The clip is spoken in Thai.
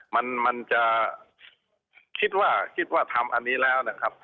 มันจะคิดว่าทำอันนี้แล้วนะครับ